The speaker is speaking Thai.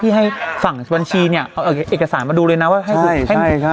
พี่ให้ฝั่งบัญชีเนี้ยเอาเอกสารมาดูเลยน่ะว่าใช่ใช่ใช่